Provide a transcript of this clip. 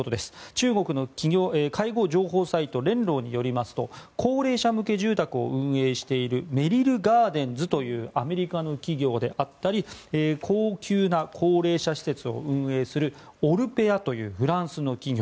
中国の介護情報サイト縺老によりますと高齢者向け住宅を運営しているメリル・ガーデンズというアメリカの企業であったり高級な高齢者施設を運営するオルペアというフランスの企業。